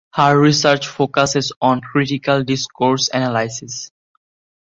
Her research focuses on critical discourse analysis.